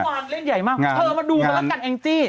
เล่นใหญ่มากเธอมาดูกันแล้วกันแองจี้